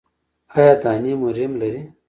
ایا دانې مو ریم لري؟